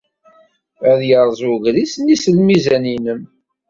Ad yerreẓ ugris-nni s lmizan-nnem.